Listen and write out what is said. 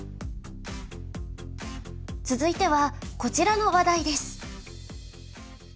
続いてはこちらの話題です。